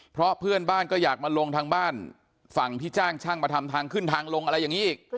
เพราะเพื่อนบ้านก็อยากมาลงทางบ้านฝั่งที่จ้างช่างมาทำทางขึ้นทางลงอะไรอย่างนี้อีก